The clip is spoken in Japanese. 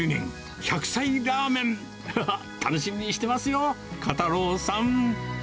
１００歳ラーメン、楽しみにしてますよ、袈太郎さん。